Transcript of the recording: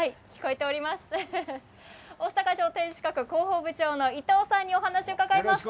大阪城天守閣広報部長のイトウさんにお話を伺います。